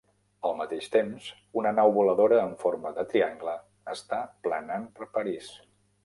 Al mateix temps, una nau voladora amb forma de triangle està planant per París.